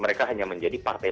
mereka hanya menjadi partai